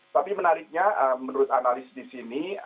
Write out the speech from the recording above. tapi menariknya menurut analis di sini